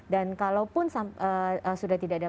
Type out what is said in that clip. dan kalaupun sudah tidak ada